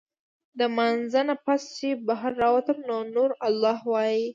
د مانځۀ نه پس چې بهر راووتم نو نورالله وايي